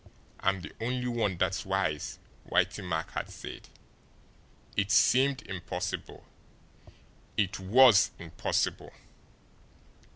"I'm the only one that's wise," Whitey Mack had said. It seemed impossible. It WAS impossible!